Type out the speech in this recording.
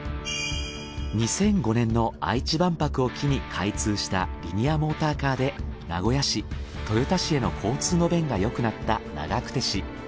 ２００５年の愛知万博を機に開通したリニアモーターカーで名古屋市豊田市への交通の便がよくなった長久手市。